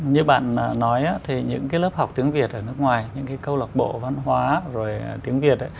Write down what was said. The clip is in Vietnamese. như bạn nói thì những lớp học tiếng việt ở nước ngoài những cái câu lạc bộ văn hóa rồi tiếng việt